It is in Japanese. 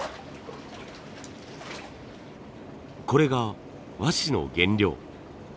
これが和紙の原料。